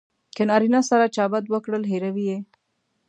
که نارینه سره چا بد وکړل هیروي یې.